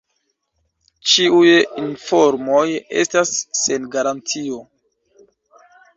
Ĉiuj informoj estas sen garantio.